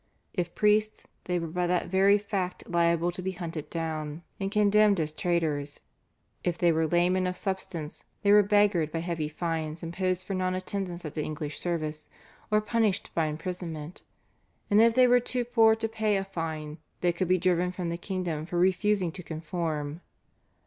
If priests, they were by that very fact liable to be hunted down and condemned as traitors; if they were laymen of substance, they were beggared by heavy fines imposed for non attendance at the English service, or punished by imprisonment, and if they were too poor to pay a fine they could be driven from the kingdom for refusing to conform.